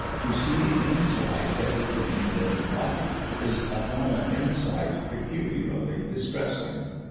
To see inside everything and everybody is a form of insight peculiarly distressing.